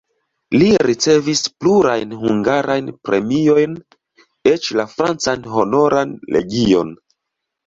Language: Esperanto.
Li ricevis plurajn hungarajn premiojn, eĉ la francan Honoran legion.